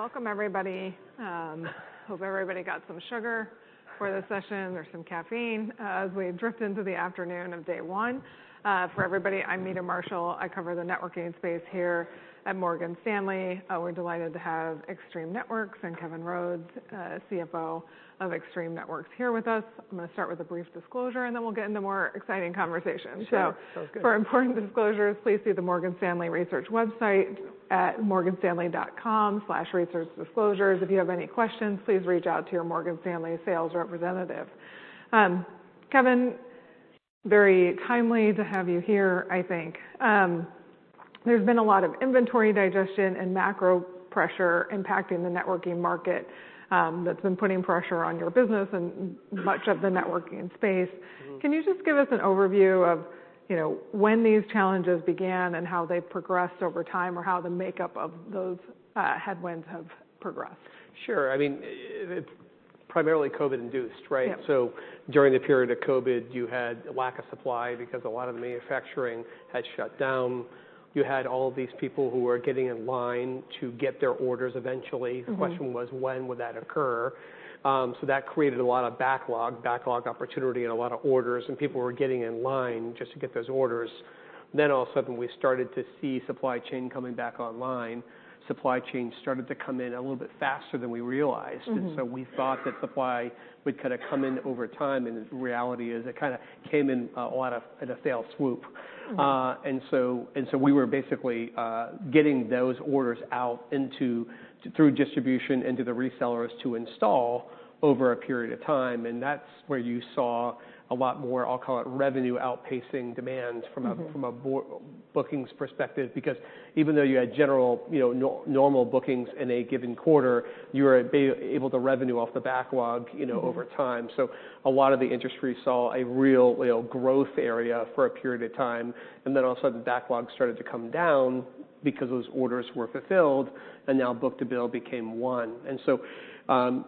Welcome, everybody. Hope everybody got some sugar for this session, or some caffeine, as we drift into the afternoon of day one. For everybody, I'm Meta Marshall. I cover the networking space here at Morgan Stanley. We're delighted to have Extreme Networks and Kevin Rhodes, CFO of Extreme Networks, here with us. I'm gonna start with a brief disclosure, and then we'll get into more exciting conversations. Okay. Sounds good. So for important disclosures, please see the Morgan Stanley Research website at morganstanley.com/researchdisclosures. If you have any questions, please reach out to your Morgan Stanley sales representative. Kevin, very timely to have you here, I think. There's been a lot of inventory digestion and macro pressure impacting the networking market, that's been putting pressure on your business and much of the networking space. Mm-hmm. Can you just give us an overview of, you know, when these challenges began and how they've progressed over time, or how the makeup of those headwinds have progressed? Sure. I mean, it's primarily COVID-induced, right? Yep. During the period of COVID, you had a lack of supply because a lot of the manufacturing had shut down. You had all these people who were getting in line to get their orders eventually. Mm-hmm. The question was, When would that occur? So that created a lot of backlog, backlog opportunity and a lot of orders, and people were getting in line just to get those orders. Then all of a sudden, we started to see supply chain coming back online. Supply chain started to come in a little bit faster than we realized. Mm-hmm. And so we thought that supply would kind of come in over time, and the reality is it kind of came in all at a fell swoop. Mm. And so we were basically getting those orders out into through distribution into the resellers to install over a period of time, and that's where you saw a lot more, I'll call it, revenue outpacing demand. Mm-hmm... from a bookings perspective. Because even though you had general, you know, normal bookings in a given quarter, you were able to revenue off the backlog, you know- Mm-hmm... over time. So a lot of the industry saw a real, real growth area for a period of time, and then all of a sudden, the backlog started to come down because those orders were fulfilled, and now Book-to-Bill became one. And so,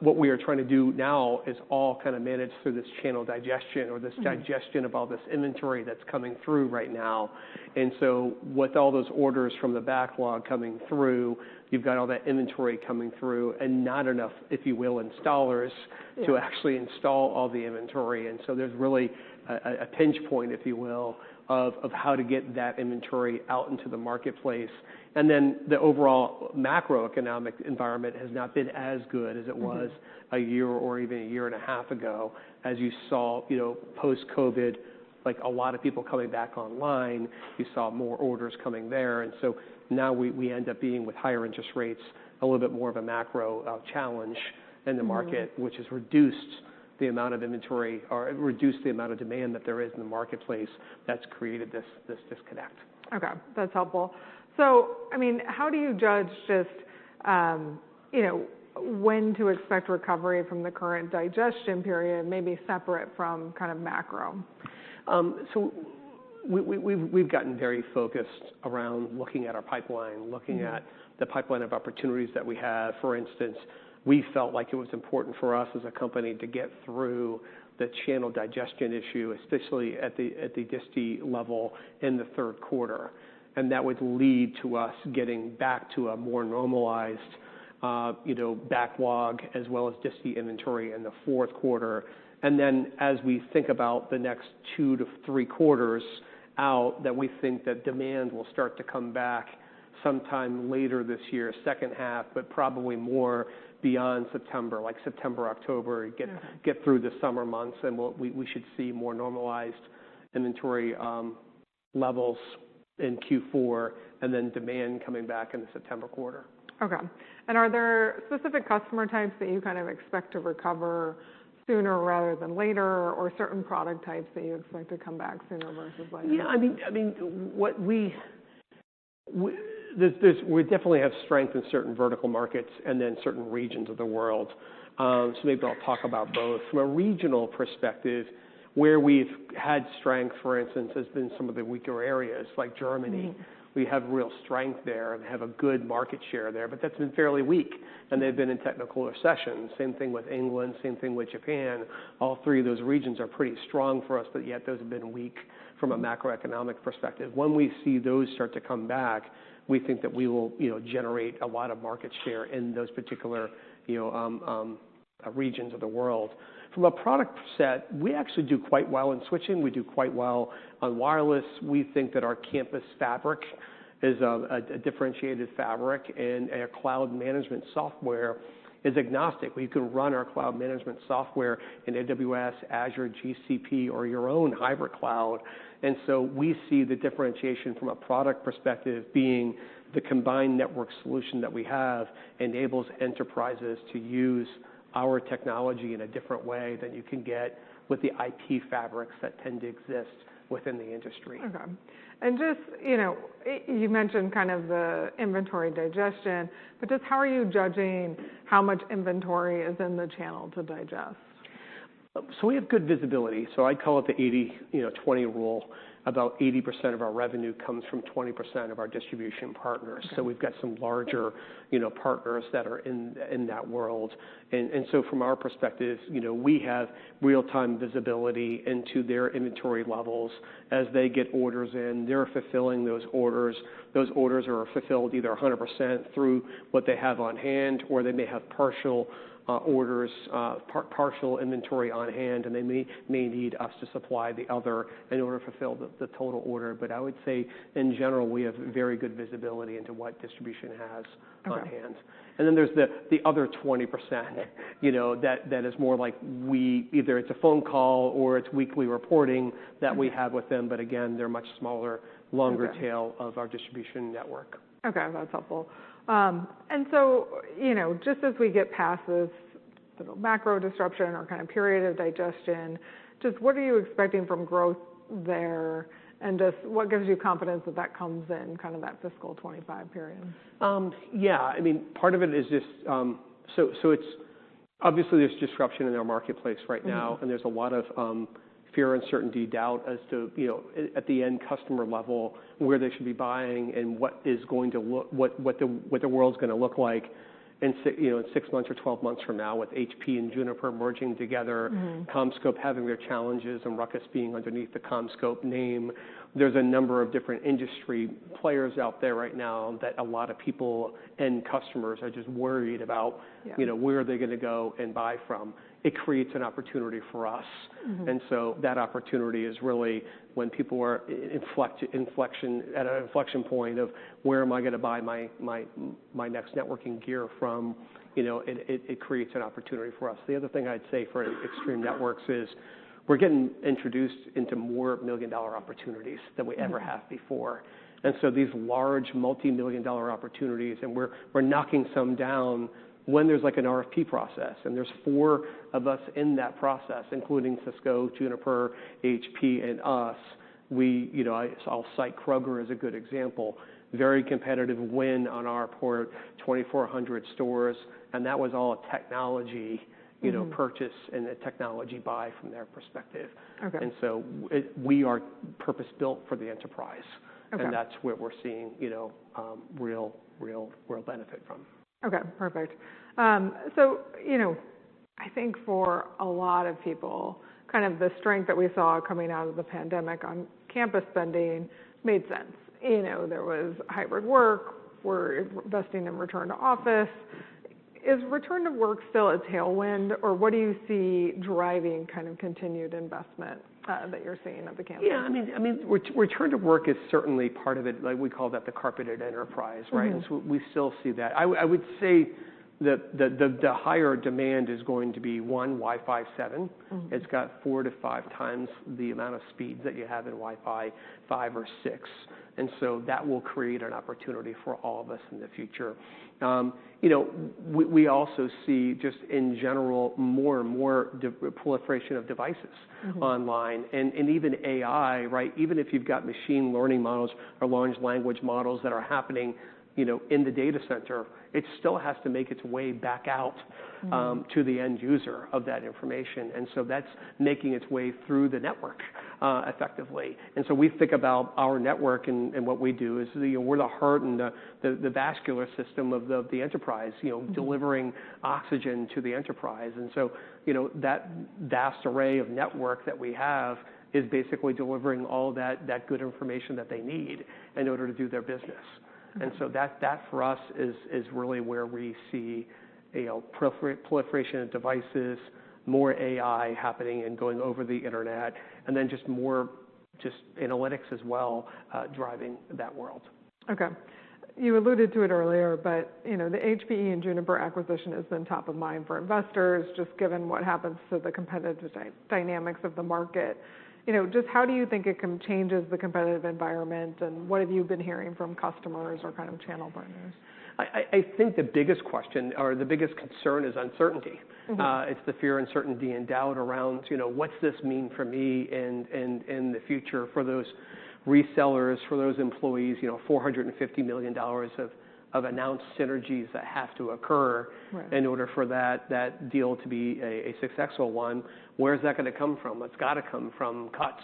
what we are trying to do now is all kind of managed through this channel digestion or this- Mm-hmm... digestion of all this inventory that's coming through right now. And so with all those orders from the backlog coming through, you've got all that inventory coming through, and not enough, if you will, installers- Yeah... to actually install all the inventory. And so there's really a pinch point, if you will, of how to get that inventory out into the marketplace. And then the overall macroeconomic environment has not been as good as it was- Mm-hmm... a year or even a year and a half ago, as you saw, you know, post-COVID, like, a lot of people coming back online, you saw more orders coming there. And so now we end up being with higher interest rates, a little bit more of a macro challenge in the market- Mm-hmm... which has reduced the amount of inventory, or reduced the amount of demand that there is in the marketplace. That's created this, this disconnect. Okay, that's helpful. So, I mean, how do you judge just, you know, when to expect recovery from the current digestion period, maybe separate from kind of macro? So we've gotten very focused around looking at our pipeline- Mm-hmm... looking at the pipeline of opportunities that we have. For instance, we felt like it was important for us, as a company, to get through the channel digestion issue, especially at the, at the disty level in the third quarter, and that would lead to us getting back to a more normalized, you know, backlog, as well as just the inventory in the fourth quarter. And then, as we think about the next 2-3 quarters out, that we think that demand will start to come back sometime later this year, second half, but probably more beyond September, like September, October. Yeah. Get through the summer months, and we'll see more normalized inventory levels in Q4, and then demand coming back in the September quarter. Okay. Are there specific customer types that you kind of expect to recover sooner rather than later, or certain product types that you expect to come back sooner versus later? Yeah, I mean, we definitely have strength in certain vertical markets and then certain regions of the world. So maybe I'll talk about both. From a regional perspective, where we've had strength, for instance, has been some of the weaker areas, like Germany. Mm-hmm. We have real strength there and have a good market share there, but that's been fairly weak, and they've been in technical recession. Same thing with England, same thing with Japan. All three of those regions are pretty strong for us, but yet those have been weak from a macroeconomic perspective. When we see those start to come back, we think that we will, you know, generate a lot of market share in those particular, you know, regions of the world. From a product set, we actually do quite well in switching, we do quite well on wireless. We think that our Campus Fabric is a differentiated fabric, and our cloud management software is agnostic. We can run our cloud management software in AWS, Azure, GCP, or your own hybrid cloud. We see the differentiation from a product perspective being the combined network solution that we have enables enterprises to use our technology in a different way than you can get with the IP fabrics that tend to exist within the industry. Okay. And just, you know, you mentioned kind of the inventory digestion, but just how are you judging how much inventory is in the channel to digest? ... So we have good visibility, so I call it the 80, you know, 20 rule. About 80% of our revenue comes from 20% of our distribution partners. So we've got some larger, you know, partners that are in, in that world. And, and so from our perspective, you know, we have real-time visibility into their inventory levels. As they get orders in, they're fulfilling those orders. Those orders are fulfilled either 100% through what they have on hand, or they may have partial orders, partial inventory on hand, and they may need us to supply the other in order to fulfill the total order. But I would say, in general, we have very good visibility into what distribution has on hand. Okay. And then there's the other 20%, you know, that is more like we—either it's a phone call or it's weekly reporting that we have with them, but again, they're much smaller, longer tail- Okay... of our distribution network. Okay, that's helpful. And so, you know, just as we get past this sort of macro disruption or kind of period of digestion, just what are you expecting from growth there, and just what gives you confidence that that comes in kind of that fiscal 25 period? Yeah, I mean, part of it is just... So it's obviously there's disruption in our marketplace right now. Mm-hmm. and there's a lot of fear, uncertainty, doubt as to, you know, at the end customer level, where they should be buying and what the world's gonna look like in 6 months or 12 months from now, with HPE and Juniper merging together. Mm-hmm... CommScope having their challenges, and Ruckus being underneath the CommScope name. There's a number of different industry players out there right now that a lot of people and customers are just worried about- Yeah - you know, where are they gonna go and buy from? It creates an opportunity for us. Mm-hmm. And so that opportunity is really when people are at an inflection point: where am I gonna buy my next networking gear from? You know, it creates an opportunity for us. The other thing I'd say for Extreme Networks is, we're getting introduced into more million dollar opportunities than we ever have before. And so these large multi-million dollar opportunities, and we're knocking some down when there's, like, an RFP process, and there's four of us in that process, including Cisco, Juniper, HPE, and us. You know, I'll cite Kroger as a good example, very competitive win on our part, 2,400 stores, and that was all a technology- Mm-hmm... you know, purchase and a technology buy from their perspective. Okay. And so we are purpose-built for the enterprise. Okay. That's where we're seeing, you know, real, real world benefit from. Okay, perfect. So, you know, I think for a lot of people, kind of the strength that we saw coming out of the pandemic on campus spending made sense. You know, there was hybrid work. We're investing in return to office. Is return to work still a tailwind, or what do you see driving kind of continued investment, that you're seeing at the campus? Yeah, I mean, return to work is certainly part of it. Like, we call that the carpeted enterprise, right? Mm-hmm. We still see that. I would say that the higher demand is going to be, one, Wi-Fi 7. Mm-hmm. It's got 4-5 times the amount of speeds that you have in Wi-Fi 5 or 6, and so that will create an opportunity for all of us in the future. You know, we also see, just in general, more and more proliferation of devices- Mm-hmm ...online, and even AI, right? Even if you've got machine learning models or Large Language Models that are happening, you know, in the data center, it still has to make its way back out- Mm-hmm... to the end user of that information, and so that's making its way through the network, effectively. And so we think about our network and what we do is, you know, we're the heart and the vascular system of the enterprise- Mm-hmm... you know, delivering oxygen to the enterprise. And so, you know, that vast array of network that we have is basically delivering all that, that good information that they need in order to do their business. Mm-hmm. And so that for us is really where we see, you know, proliferation of devices, more AI happening and going over the internet, and then just more analytics as well, driving that world. Okay. You alluded to it earlier, but, you know, the HP and Juniper acquisition has been top of mind for investors, just given what happens to the competitive dynamics of the market. You know, just how do you think it can change the competitive environment, and what have you been hearing from customers or kind of channel partners? I think the biggest question or the biggest concern is uncertainty. Mm-hmm. It's the fear, uncertainty, and doubt around, you know, what's this mean for me in the future for those resellers, for those employees? You know, $450 million of announced synergies that have to occur- Right... in order for that deal to be a successful one. Where is that gonna come from? It's got to come from cuts-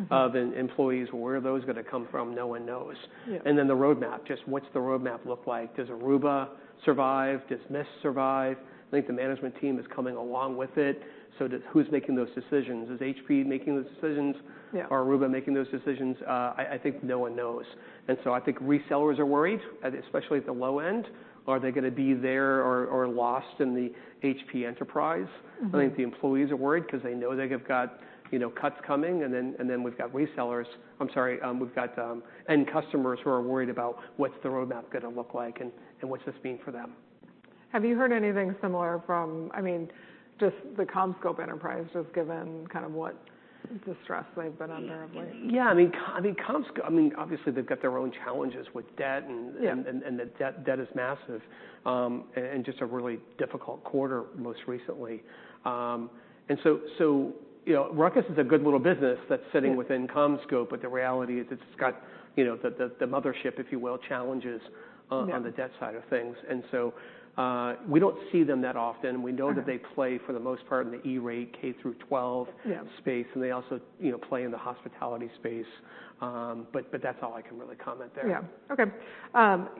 Mm-hmm... of employees. Where are those gonna come from? No one knows. Yeah. Then the roadmap. Just what's the roadmap look like? Does Aruba survive? Does Mist survive? I think the management team is coming along with it, so, who's making those decisions? Is HPE making those decisions? Yeah. Or Aruba making those decisions? I think no one knows. And so I think resellers are worried, especially at the low end. Are they gonna be there or lost in the HP enterprise? Mm-hmm. I think the employees are worried 'cause they know they have got, you know, cuts coming, and then, and then we've got resellers - I'm sorry, we've got end customers who are worried about what's the roadmap gonna look like, and what's this mean for them? Have you heard anything similar from, I mean, just the CommScope enterprise, just given kind of what distress they've been under lately? Yeah, I mean, I mean, CommScope - I mean, obviously they've got their own challenges with debt, and- Yeah... and the debt is massive, and just a really difficult quarter most recently. You know, Ruckus is a good little business that's sitting within CommScope, but the reality is it's got, you know, the mothership, if you will, challenges. Yeah ... on the debt side of things. And so, we don't see them that often. Uh-huh. We know that they play, for the most part, in the E-Rate K through 12- Yeah space, and they also, you know, play in the hospitality space. But that's all I can really comment there. Yeah. Okay.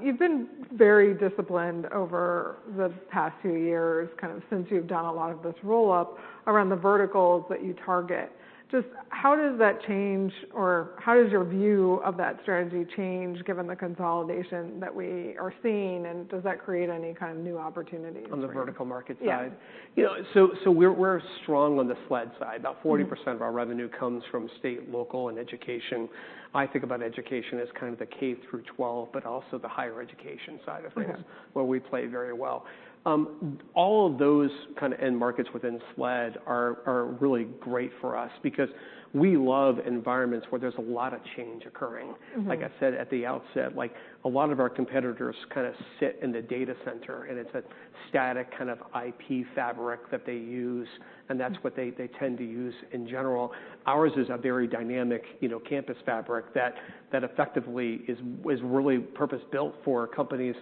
You've been very disciplined over the past few years, kind of since you've done a lot of this roll-up around the verticals that you target. Just how does that change or how does your view of that strategy change, given the consolidation that we are seeing, and does that create any kind of new opportunities? On the vertical market side? Yeah. You know, so we're strong on the SLED side. Mm-hmm. About 40% of our revenue comes from state, local, and education. I think about education as kind of the K through 12, but also the higher education side of things- Yeah - where we play very well. All of those kind of end markets within SLED are really great for us because we love environments where there's a lot of change occurring. Mm-hmm. Like I said, at the outset, like, a lot of our competitors kind of sit in the data center, and it's a static kind of IP Fabric that they use, and that's- Mm... what they tend to use in general. Ours is a very dynamic, you know, Campus Fabric that effectively is really purpose-built for companies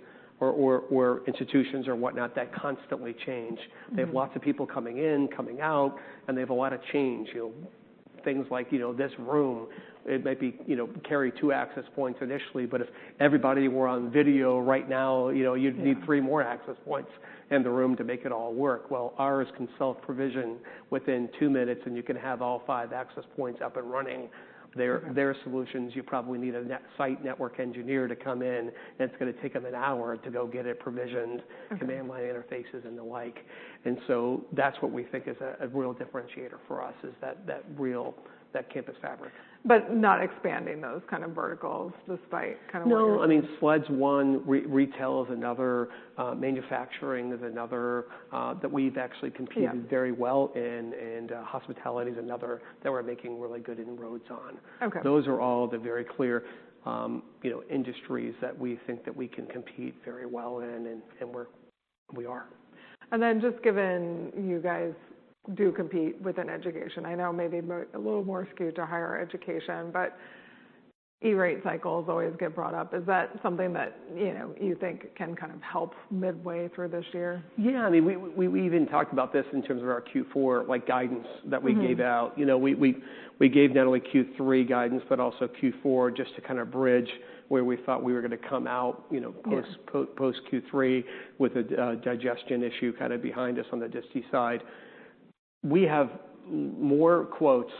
or institutions or whatnot that constantly change. Mm-hmm. They have lots of people coming in, coming out, and they have a lot of change. You know, things like, you know, this room, it might be, you know, carry 2 access points initially, but if everybody were on video right now, you know- Yeah... you'd need 3 more access points in the room to make it all work. Well, ours can self-provision within 2 minutes, and you can have all 5 access points up and running. Okay. Their solutions, you probably need an on-site network engineer to come in, and it's going to take them an hour to go get it provisioned. Okay... command line interfaces and the like. And so that's what we think is a real differentiator for us, is that real Campus Fabric. But not expanding those kind of verticals, despite kind of what your- No, I mean, SLED's one, retail is another, manufacturing is another, that we've actually competed- Yeah... very well in, and, hospitality is another that we're making really good inroads on. Okay. Those are all the very clear, you know, industries that we think that we can compete very well in, and we are. And then just given you guys do compete within education, I know maybe a little more skewed to higher education, but E-Rate cycles always get brought up. Is that something that, you know, you think can kind of help midway through this year? Yeah. I mean, we even talked about this in terms of our Q4, like, guidance- Mm... that we gave out. You know, we gave not only Q3 guidance, but also Q4, just to kind of bridge where we thought we were going to come out, you know- Yeah... post Q3, with a digestion issue kind of behind us on the disti side. We have more quotes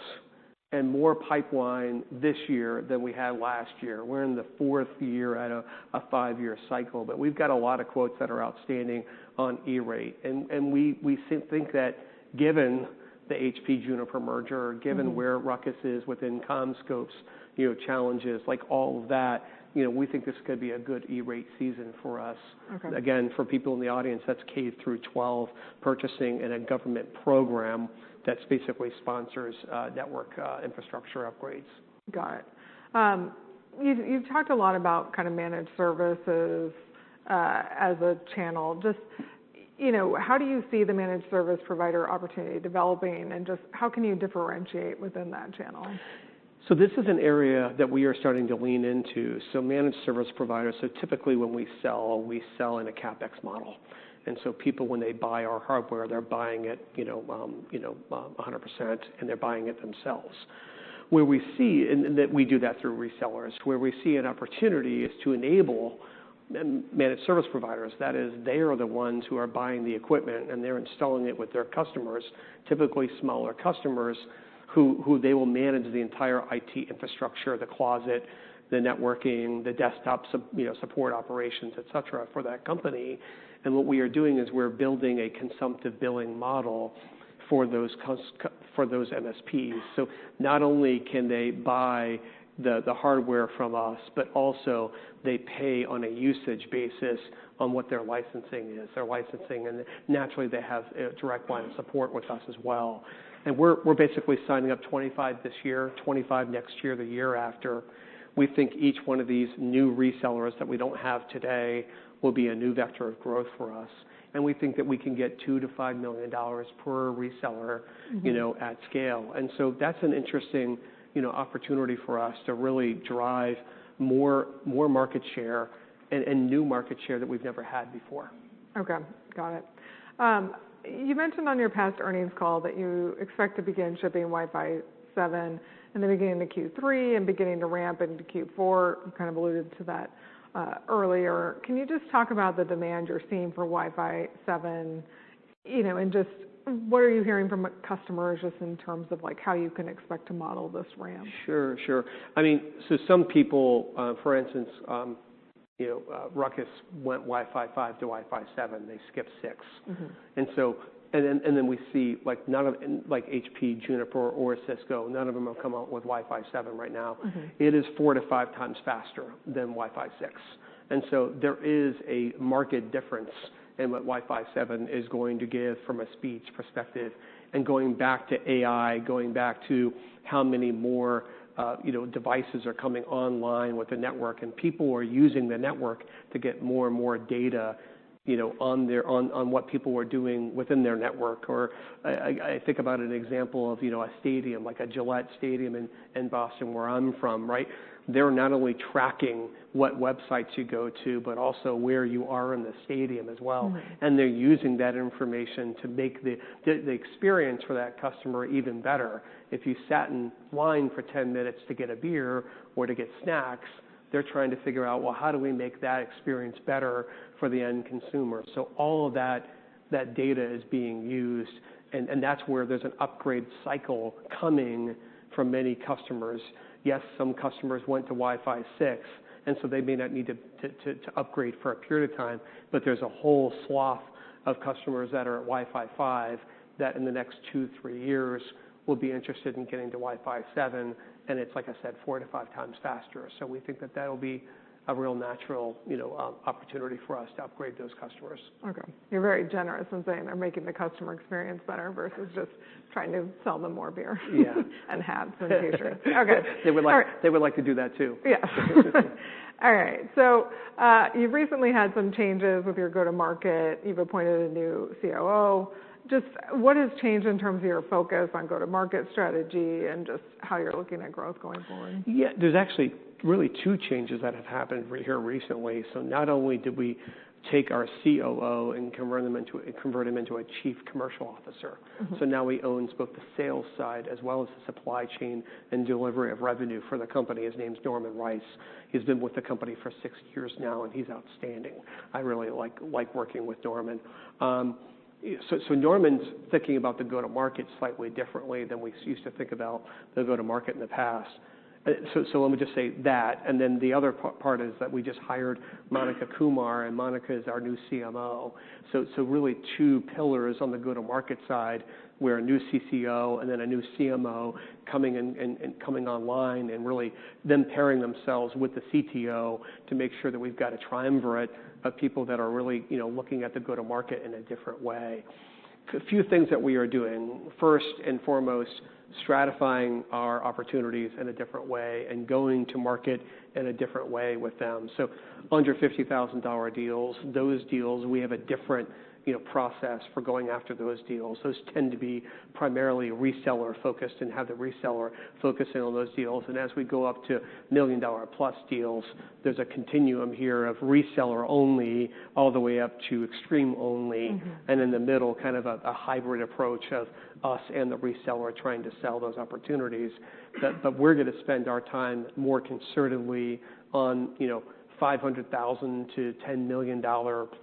and more pipeline this year than we had last year. We're in the fourth year at a five-year cycle, but we've got a lot of quotes that are outstanding on E-Rate. And we think that given the HPE-Juniper merger- Mm... given where Ruckus is within CommScope's, you know, challenges, like all of that, you know, we think this could be a good E-Rate season for us. Okay. Again, for people in the audience, that's K through 12 purchasing in a government program that basically sponsors network infrastructure upgrades. Got it. You've, you've talked a lot about kind of managed services as a channel. Just, you know, how do you see the managed service provider opportunity developing, and just how can you differentiate within that channel? So this is an area that we are starting to lean into. So managed service providers. So typically, when we sell, we sell in a CapEx model, and so people, when they buy our hardware, they're buying it, you know, you know, 100%, and they're buying it themselves. Where we see an opportunity is to enable managed service providers. That is, they are the ones who are buying the equipment, and they're installing it with their customers, typically smaller customers, who, who they will manage the entire IT infrastructure, the closet, the networking, the desktops, you know, support operations, et cetera, for that company. And what we are doing is we're building a consumptive billing model for those MSPs. So not only can they buy the, the hardware from us, but also they pay on a usage basis on what their licensing is, their licensing, and naturally, they have a direct line of support with us as well. And we're, we're basically signing up 25 this year, 25 next year, the year after. We think each one of these new resellers that we don't have today will be a new vector of growth for us, and we think that we can get $2 million-$5 million per reseller- Mm-hmm... you know, at scale. And so that's an interesting, you know, opportunity for us to really drive more, more market share and, and new market share that we've never had before. Okay, got it. You mentioned on your past earnings call that you expect to begin shipping Wi-Fi 7, and then again in the Q3 and beginning to ramp into Q4. You kind of alluded to that, earlier. Can you just talk about the demand you're seeing for Wi-Fi 7? You know, and just what are you hearing from customers, just in terms of, like, how you can expect to model this ramp? Sure, sure. I mean, so some people, for instance, you know, Ruckus went Wi-Fi 5 to Wi-Fi 7. They skipped 6. Mm-hmm. So, we see, like, none of... Like, HPE, Juniper, or Cisco, none of them have come out with Wi-Fi 7 right now. Mm-hmm. It is 4-5 times faster than Wi-Fi 6, and so there is a marked difference in what Wi-Fi 7 is going to give from a speed perspective. Going back to AI, going back to how many more, you know, devices are coming online with the network, and people are using the network to get more and more data, you know, on what people are doing within their network. Or I think about an example of, you know, a stadium, like a Gillette Stadium in Boston, where I'm from, right? They're not only tracking what websites you go to, but also where you are in the stadium as well. Right. And they're using that information to make the experience for that customer even better. If you sat in line for 10 minutes to get a beer or to get snacks, they're trying to figure out, "Well, how do we make that experience better for the end consumer?" So all of that data is being used, and that's where there's an upgrade cycle coming from many customers. Yes, some customers went to Wi-Fi 6, and so they may not need to upgrade for a period of time, but there's a whole swath of customers that are at Wi-Fi 5 that, in the next 2, 3 years, will be interested in getting to Wi-Fi 7, and it's, like I said, 4-5 times faster. So we think that that'll be a real natural, you know, opportunity for us to upgrade those customers. Okay. You're very generous in saying they're making the customer experience better versus just trying to sell them more beer - Yeah... and hats in the future. Okay. They would like- All right... they would like to do that, too. Yeah. All right. So, you've recently had some changes with your go-to-market. You've appointed a new COO. Just what has changed in terms of your focus on go-to-market strategy and just how you're looking at growth going forward? Yeah, there's actually really two changes that have happened here recently. So not only did we take our COO and convert him into a Chief Commercial Officer. Mm-hmm. So now he owns both the sales side, as well as the supply chain and delivery of revenue for the company. His name's Norman Rice. He's been with the company for six years now, and he's outstanding. I really like, like working with Norman. So Norman's thinking about the go-to-market slightly differently than we used to think about the go-to-market in the past. So let me just say that, and then the other part is that we just hired Monica Kumar, and Monica is our new CMO. So really two pillars on the go-to-market side, where a new CCO and then a new CMO coming in. And coming online, and really them pairing themselves with the CTO to make sure that we've got a triumvirate of people that are really, you know, looking at the go-to-market in a different way. A few things that we are doing, first and foremost, stratifying our opportunities in a different way and going to market in a different way with them. So under $50,000 deals, those deals, we have a different, you know, process for going after those deals. Those tend to be primarily reseller-focused and have the reseller focusing on those deals. As we go up to million dollar + deals, there's a continuum here of reseller only, all the way up to Extreme only. Mm-hmm. In the middle, kind of a hybrid approach of us and the reseller trying to sell those opportunities. But we're going to spend our time more concertedly on, you know, $500,000-$10 million +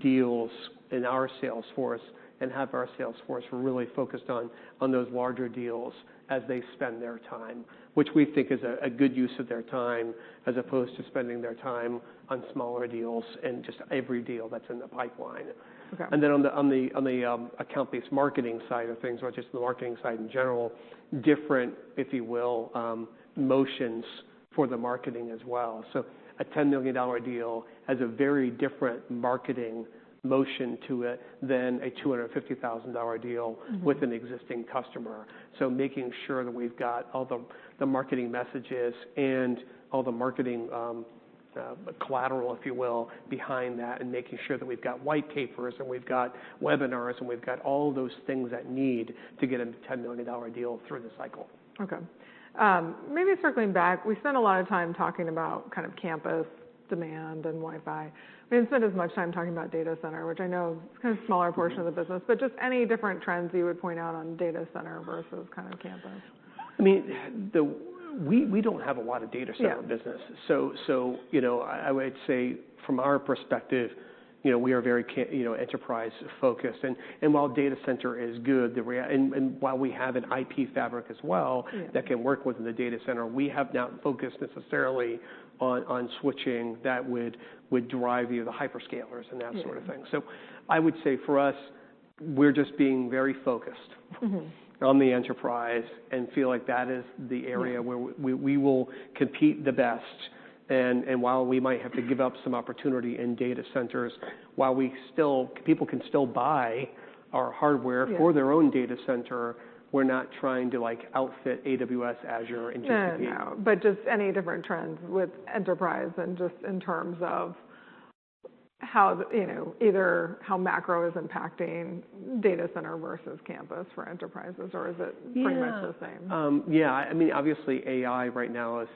deals in our sales force and have our sales force really focused on those larger deals as they spend their time, which we think is a good use of their time, as opposed to spending their time on smaller deals and just every deal that's in the pipeline. Okay. And then on the account-based marketing side of things, or just the marketing side in general, different, if you will, motions for the marketing as well. So a $10 million deal has a very different marketing motion to it than a $250,000 deal- Mm... with an existing customer. So making sure that we've got all the marketing messages and all the marketing collateral, if you will, and making sure that we've got white papers, and we've got webinars, and we've got all those things that need to get a $10 million deal through the cycle. Okay. Maybe circling back, we spent a lot of time talking about kind of campus demand and Wi-Fi. We haven't spent as much time talking about data center, which I know is kind of a smaller portion- Mm-hmm... of the business, but just any different trends you would point out on data center versus kind of campus? I mean, we don't have a lot of data center business. Yeah. So, you know, I would say, from our perspective, you know, we are very enterprise-focused. And while data center is good, and while we have an IP Fabric as well- Yeah... that can work within the data center, we have not focused necessarily on switching that would drive you the hyperscalers and that sort of thing. Yeah. I would say, for us, we're just being very focused- Mm-hmm... on the enterprise and feel like that is the area- Yeah... where we will compete the best. And while we might have to give up some opportunity in data centers, while we still, people can still buy our hardware- Yeah... for their own data center, we're not trying to, like, outfit AWS, Azure, and GCP. No, no. But just any different trends with enterprise and just in terms of how, you know, either how macro is impacting data center versus campus for enterprises, or is it pretty much the same? Yeah. Yeah, I mean, obviously, AI right now is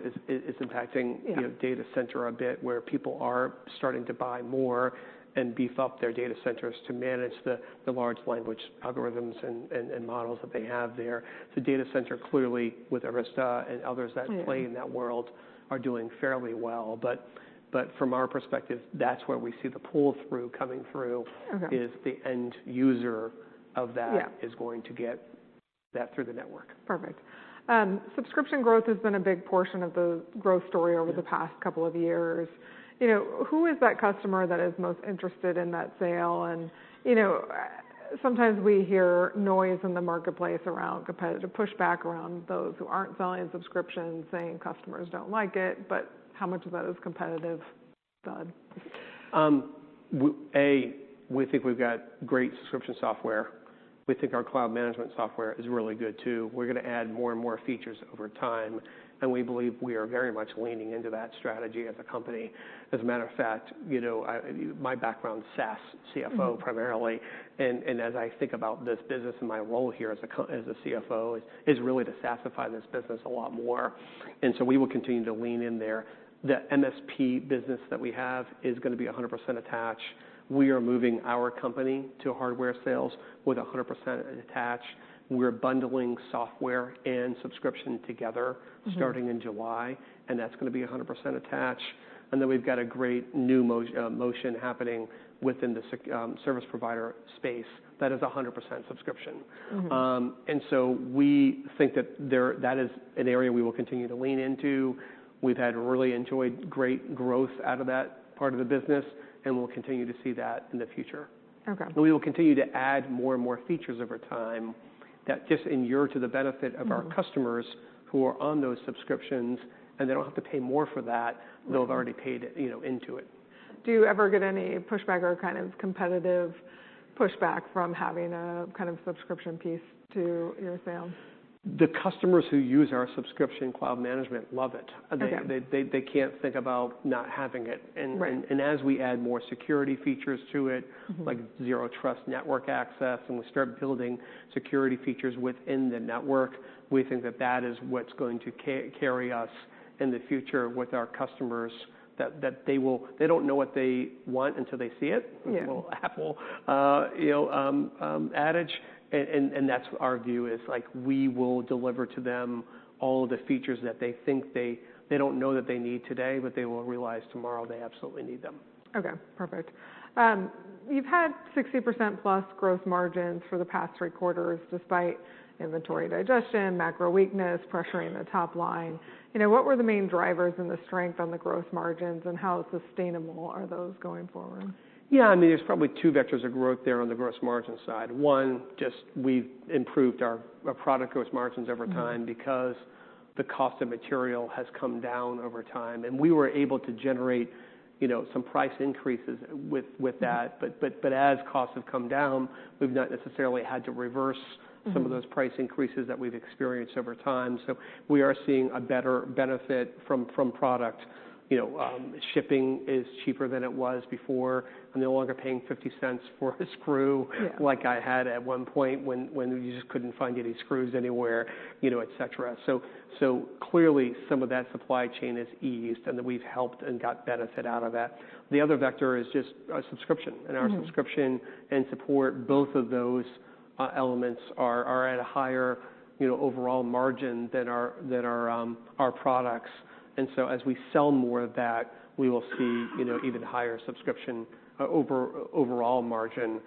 impacting- Yeah... data center a bit, where people are starting to buy more and beef up their data centers to manage the large language algorithms and models that they have there. The data center, clearly, with Arista and others that play- Yeah... in that world, are doing fairly well. But, but from our perspective, that's where we see the pull through coming through- Okay... is the end user of that- Yeah... is going to get that through the network. Perfect. Subscription growth has been a big portion of the growth story- Yeah Over the past couple of years. You know, who is that customer that is most interested in that sale? And, you know, sometimes we hear noise in the marketplace around competitive pushback around those who aren't selling subscriptions, saying customers don't like it, but how much of that is competitive talk? We think we've got great subscription software. We think our cloud management software is really good, too. We're gonna add more and more features over time, and we believe we are very much leaning into that strategy as a company. As a matter of fact, you know, my background, SaaS, CFO primarily. Mm-hmm. As I think about this business and my role here as a CFO, is really to SaaSify this business a lot more, and so we will continue to lean in there. The MSP business that we have is gonna be 100% attached. We are moving our company to hardware sales with 100% attached. We're bundling software and subscription together- Mm-hmm Starting in July, and that's gonna be 100% attached. And then we've got a great new motion happening within the service provider space that is 100% subscription. Mm-hmm. and so we think that that is an area we will continue to lean into. We've had really enjoyed great growth out of that part of the business, and we'll continue to see that in the future. Okay. We will continue to add more and more features over time that just inure to the benefit of- Mm-hmm our customers who are on those subscriptions, and they don't have to pay more for that. Right. They've already paid, you know, into it. Do you ever get any pushback or kind of competitive pushback from having a kind of subscription piece to your sales? The customers who use our subscription cloud management love it. Okay. They can't think about not having it. Right. as we add more security features to it- Mm-hmm like Zero Trust Network Access, and we start building security features within the network, we think that that is what's going to carry us in the future with our customers, that they will... They don't know what they want until they see it. Yeah. A little Apple adage, you know, and that's our view is, like, we will deliver to them all of the features that they think they don't know that they need today, but they will realize tomorrow they absolutely need them. Okay, perfect. You've had 60%+ gross margins for the past three quarters, despite inventory digestion, macro weakness, pressuring the top line. You know, what were the main drivers and the strength on the gross margins, and how sustainable are those going forward? Yeah, I mean, there's probably two vectors of growth there on the growth margin side. One, just we've improved our product gross margins over time- Mm-hmm because the cost of material has come down over time. And we were able to generate, you know, some price increases with that. Mm-hmm. But, but, but as costs have come down, we've not necessarily had to reverse- Mm-hmm -some of those price increases that we've experienced over time. So we are seeing a better benefit from, from product. You know, shipping is cheaper than it was before. I'm no longer paying $0.50 for a screw- Yeah like I had at one point when you just couldn't find any screws anywhere, you know, et cetera. So, so clearly, some of that supply chain has eased, and we've helped and got benefit out of that. The other vector is just, subscription- Mm-hmm And our subscription and support, both of those elements are at a higher, you know, overall margin than our, our products. And so as we sell more of that, we will see, you know, even higher subscription overall margin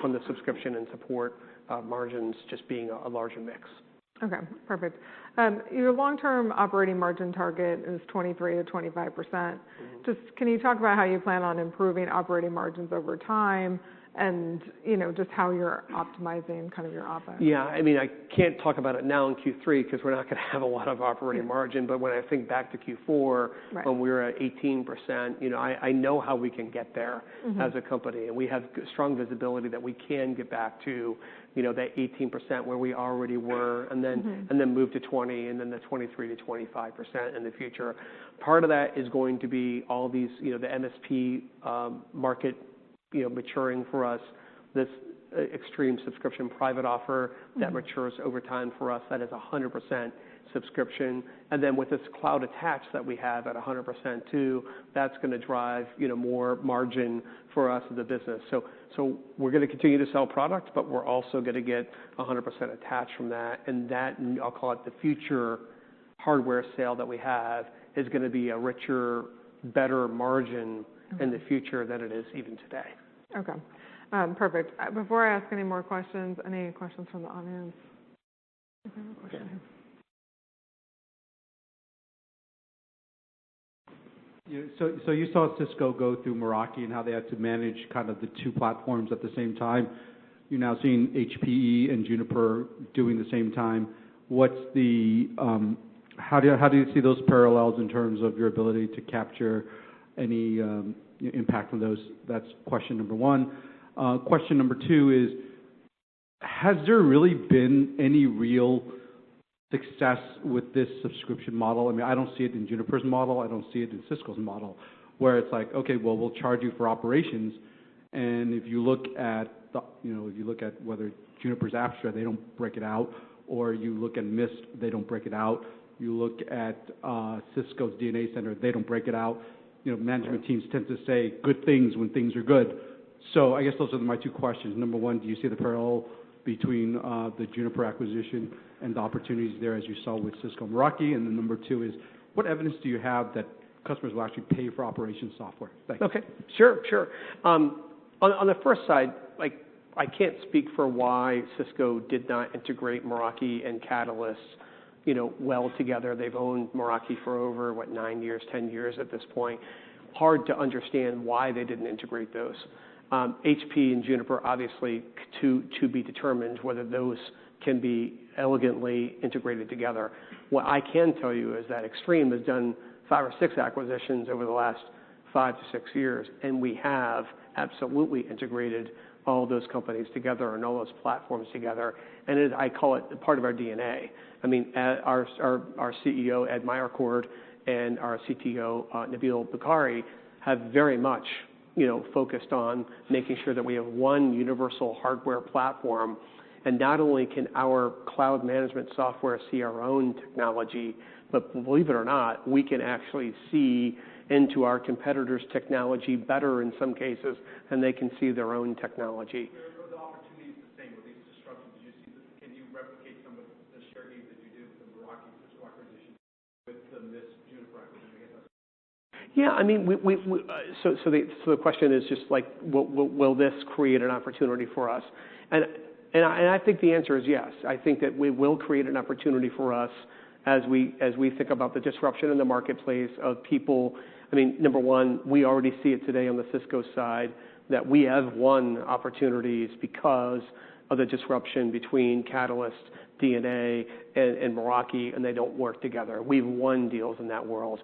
from the subscription and support margins just being a larger mix. Okay, perfect. Your long-term operating margin target is 23%-25%. Mm-hmm. Can you talk about how you plan on improving operating margins over time and, you know, just how you're optimizing kind of your OpEx? Yeah. I mean, I can't talk about it now in Q3 because we're not gonna have a lot of operating margin. Yeah. But when I think back to Q4- Right -when we were at 18%, you know, I, I know how we can get there- Mm-hmm as a company, and we have strong visibility that we can get back to, you know, that 18% where we already were- Right. Mm-hmm and then move to 20%, and then the 23%-25% in the future. Part of that is going to be all these, you know, the MSP market, you know, maturing for us. This Extreme subscription private offer- Mm-hmm -that matures over time for us, that is 100% subscription. And then with this cloud attach that we have at 100%, too, that's gonna drive, you know, more margin for us as a business. So, so we're gonna continue to sell product, but we're also gonna get 100% attach from that, and that, I'll call it the future hardware sale that we have, is gonna be a richer, better margin- Mm-hmm in the future than it is even today. Okay. Perfect. Before I ask any more questions, any questions from the audience? We have a question here. Yeah, so, so you saw Cisco go through Meraki and how they had to manage kind of the two platforms at the same time. You're now seeing HPE and Juniper doing the same time. What's the... How do you, how do you see those parallels in terms of your ability to capture any, impact from those? That's question number one. Question number two is, has there really been any real success with this subscription model? I mean, I don't see it in Juniper's model. I don't see it in Cisco's model, where it's like, okay, well, we'll charge you for operations. And if you look at the, you know, if you look at whether Juniper's Apstra, they don't break it out, or you look at Mist, they don't break it out. You look at, Cisco's DNA Center, they don't break it out. You know, management- Right Teams tend to say good things when things are good. So I guess those are my two questions. Number one, do you see the parallel between the Juniper acquisition and the opportunities there, as you saw with Cisco Meraki? And then number two is, what evidence do you have that customers will actually pay for operation software? Thanks. Okay. Sure, sure. On the first side, like, I can't speak for why Cisco did not integrate Meraki and Catalyst, you know, well together. They've owned Meraki for over, what? 9 years, 10 years at this point. Hard to understand why they didn't integrate those. HP and Juniper, obviously, to be determined whether those can be elegantly integrated together. What I can tell you is that Extreme has done 5 or 6 acquisitions over the last 5 to 6 years, and we have absolutely integrated all those companies together and all those platforms together, and I call it part of our DNA. I mean, our CEO, Ed Meyercord, and our CTO, Nabil Bukhari, have very much, you know, focused on making sure that we have one universal hardware platform. Not only can our cloud management software see our own technology, but believe it or not, we can actually see into our competitors' technology better in some cases than they can see their own technology. Are the opportunities the same with these disruptions, you see? Can you replicate some of the synergy that you did with the Meraki acquisition with the Mist Juniper acquisition? Yeah, I mean, so the question is just like, will this create an opportunity for us? And I think the answer is yes. I think that we will create an opportunity for us as we think about the disruption in the marketplace of people... I mean, number one, we already see it today on the Cisco side, that we have won opportunities because of the disruption between Catalyst, DNA, and Meraki, and they don't work together. We've won deals in that world.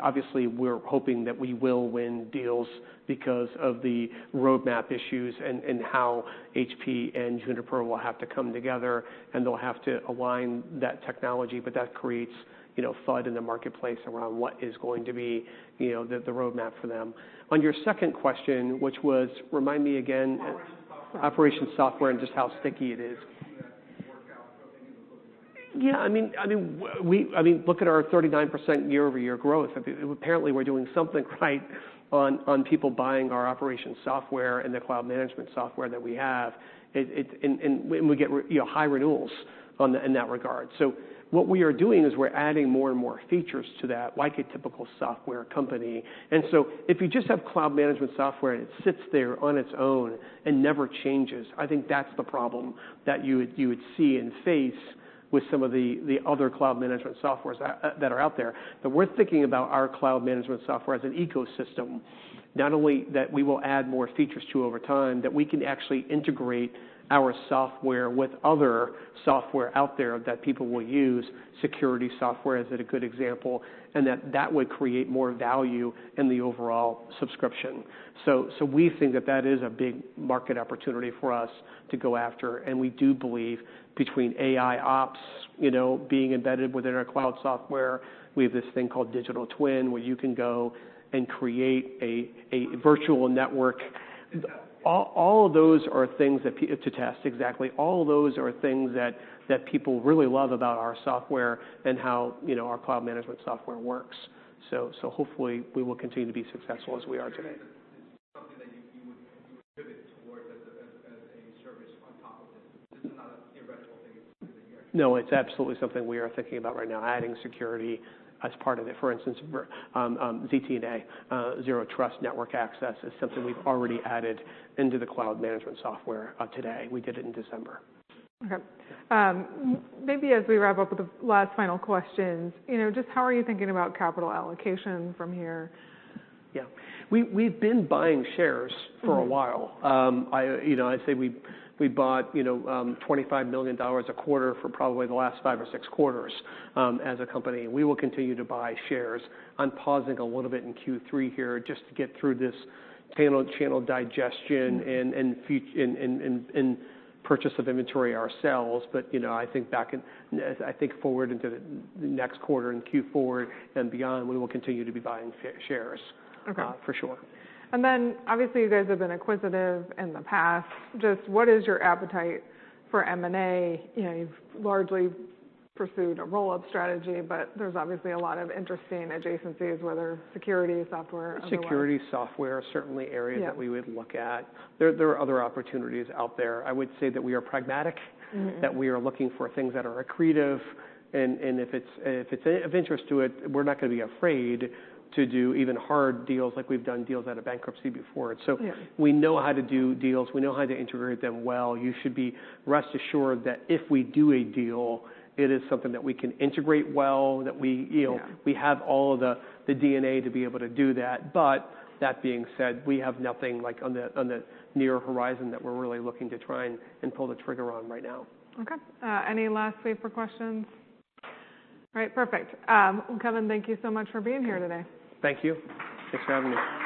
Obviously, we're hoping that we will win deals because of the roadmap issues and how HPE and Juniper will have to come together, and they'll have to align that technology, but that creates, you know, FUD in the marketplace around what is going to be, you know, the roadmap for them. On your second question, which was, remind me again? Operations software. Operations software, and just how sticky it is. That didn't work out so many of the. Yeah, I mean, look at our 39% year-over-year growth. I think apparently we're doing something right on people buying our operations software and the cloud management software that we have. And we get, you know, high renewals in that regard. So what we are doing is we're adding more and more features to that, like a typical software company. And so if you just have cloud management software and it sits there on its own and never changes, I think that's the problem that you would see and face with some of the other cloud management softwares out that are out there. But we're thinking about our cloud management software as an ecosystem. Not only that we will add more features to over time, that we can actually integrate our software with other software out there that people will use. Security software is a good example, and that would create more value in the overall subscription. So we think that is a big market opportunity for us to go after, and we do believe between AIOps, you know, being embedded within our cloud software, we have this thing called Digital Twin, where you can go and create a virtual network. All of those are things to test, exactly. All of those are things that people really love about our software and how, you know, our cloud management software works. So hopefully, we will continue to be successful as we are today. Something that you would pivot towards as a service on top of this? This is not an irrational thing. No, it's absolutely something we are thinking about right now, adding security as part of it. For instance, ZTNA, Zero Trust Network Access, is something we've already added into the cloud management software today. We did it in December. Okay. Maybe as we wrap up with the last final questions, you know, just how are you thinking about capital allocation from here? Yeah. We've been buying shares- Mm-hmm. -for a while. I, you know, I'd say we, we bought, you know, $25 million a quarter for probably the last five or six quarters, as a company. We will continue to buy shares. I'm pausing a little bit in Q3 here just to get through this channel, channel digestion- Mm. and purchase of inventory ourselves. But, you know, I think back in... As I think forward into the next quarter, in Q4 and beyond, we will continue to be buying shares. Okay. For sure. Then, obviously, you guys have been acquisitive in the past. Just what is your appetite for M&A? You know, you've largely pursued a roll-up strategy, but there's obviously a lot of interesting adjacencies, whether security, software, or otherwise. Security software are certainly areas- Yeah -that we would look at. There are other opportunities out there. I would say that we are pragmatic- Mm-hmm. that we are looking for things that are accretive, and if it's of interest to it, we're not gonna be afraid to do even hard deals like we've done deals out of bankruptcy before. Yeah. So we know how to do deals, we know how to integrate them well. You should be rest assured that if we do a deal, it is something that we can integrate well, that we, you know- Yeah... we have all of the DNA to be able to do that. But that being said, we have nothing like on the near horizon that we're really looking to try and pull the trigger on right now. Okay. Any last favorite questions? All right, perfect. Kevin, thank you so much for being here today. Thank you. Thanks for having me.